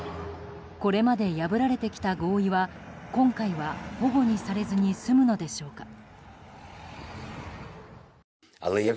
これまで破られてきた合意は今回はほごにされずに済むのでしょうか。